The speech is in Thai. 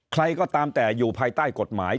ใครก็ตามแต่อยู่ภายใต้กฎหมาย